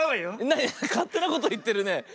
なになにかってなこといってるね。